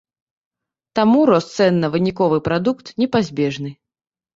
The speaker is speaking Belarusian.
Таму рост цэн на выніковы прадукт непазбежны.